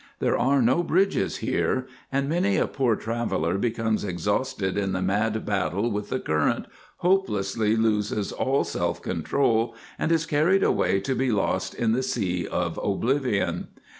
There are no bridges here, and many a poor traveller becoming exhausted in the mad battle with the current hopelessly loses all self control and is carried away to be lost in the Sea of Oblivion.